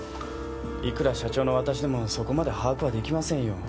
いくら社長のわたしでもそこまで把握はできませんよ。